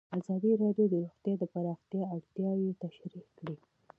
ازادي راډیو د روغتیا د پراختیا اړتیاوې تشریح کړي.